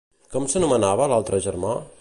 Com s'anomenava l'altre germà?